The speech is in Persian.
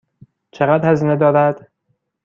چقدر هزینه دارد؟